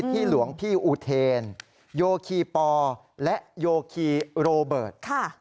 หลวงพี่อุเทนโยคีปอและโยคีโรเบิร์ต